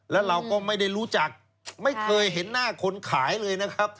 แล้วเราก็ไม่ได้รู้จักไม่เคยเห็นหน้าคนขายเลยนะครับ